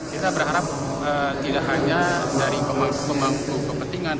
kita berharap tidak hanya dari pemangku pemangku kepentingan